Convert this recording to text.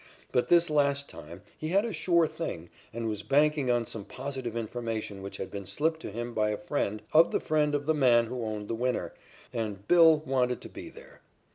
But this last time he had a "sure thing" and was banking on some positive information which had been slipped to him by a friend of the friend of the man who owned the winner, and "Bill" wanted to be there.